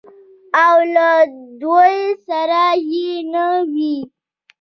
او له دوی سره دې نه وي.